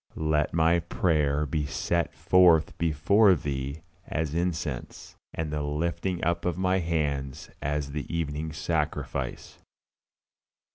"LET MY PRAYER BE SET FORTH BEFORE THEE AS INCENSE: AND THE LIFTING UP OF MY HANDS AS THE EVENING SACRIFICE."